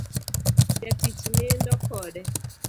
Jatich nindo kode